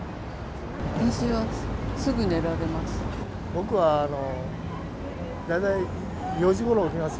私はすぐ寝られます。